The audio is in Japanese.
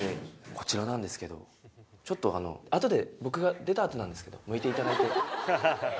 こちらなんですけどちょっとあの後で僕が出た後なんですけどむいていただいて。